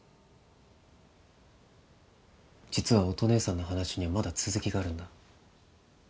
実は乙姉さんの話にはまだ続きがあるんだ。